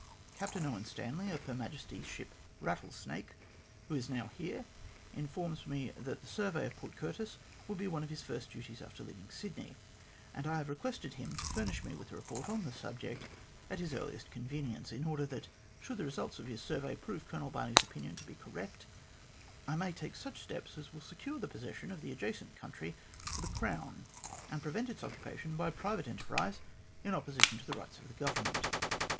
Captain Owen Stanley, of Her Majesty's ship Rattlesnake, who is now here, informs me that the survey of Port Curtis will be one of his first duties after leaving Sydney ; and I have requested him to furnish me with a report on the subject at his earliest convenience, in order that, should the result of his survey prove Colonel Barney's opinion to be correct, I may take such steps as will secure the possession of the adjacent country for the Crown, and prevent its occupation by private enterprise in opposition to the rights of the Government.